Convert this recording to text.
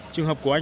trường hợp của anh